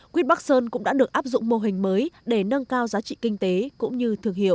quýt bắc sơn cũng đã được áp dụng mô hình mới để nâng cao giá trị kinh tế cũng như thương hiệu